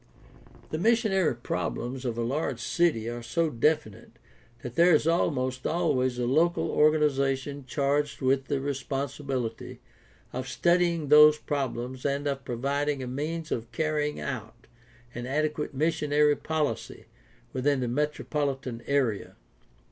— The missionary prob lems of the large city are so definite that there is almost always a local organization charged with the responsibility of studying those problems and of providing a means of carrying out an adequate missionary policy within the metropolitan area.